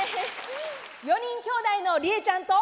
４人きょうだいのりえちゃんと。